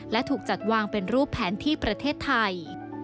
และถูกจัดวางเป็นรูปแผนที่ประเทศไทย